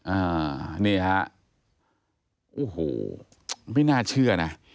อ่านี่ฮะโอ้โหไม่น่าเชื่อนะ